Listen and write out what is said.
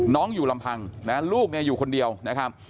อยู่ลำพังนะลูกเนี่ยอยู่คนเดียวนะครับ